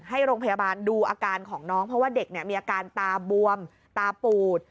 ให้โรงพยาบาลดูอาการของน้องเพราะว่าเด็กมีอาการตาบวมตาปูด